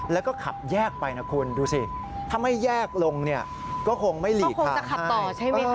แล้วก็ขับแยกไปนะคุณดูสิถ้าไม่แยกลงก็คงไม่หลีกทางให้